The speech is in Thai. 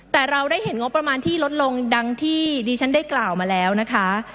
แต่เราได้เห็นงบประมาณที่ลดลงดังที่ดิฉันได้กล่าวมาแล้วนะคะ